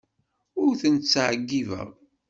Ur tent-ttɛeyyibeɣ.